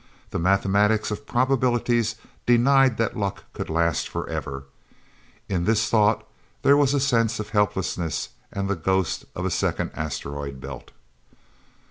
The mathematics of probabilities denied that luck could last forever. In this thought there was a sense of helplessness, and the ghost of a second Asteroid Belt.